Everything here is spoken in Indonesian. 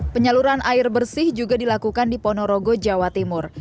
penyaluran air bersih juga dilakukan di ponorogo jawa timur